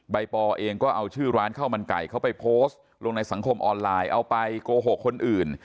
ปอเองก็เอาชื่อร้านข้าวมันไก่เขาไปโพสต์ลงในสังคมออนไลน์เอาไปโกหกคนอื่น